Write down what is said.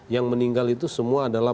yang meninggal itu semua adalah